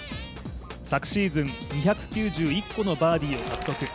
昨シーズン、２９１個のバーディーを獲得。